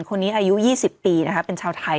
คนนี้อายุ๒๐ปีนะคะเป็นชาวไทย